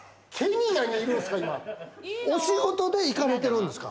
お仕事で行かれてるんですか？